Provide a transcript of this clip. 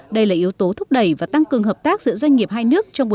đây là yếu tố thúc đẩy và tăng cường hợp tác giữa doanh nghiệp hai nước